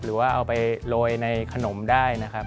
หรือว่าเอาไปโรยในขนมได้นะครับ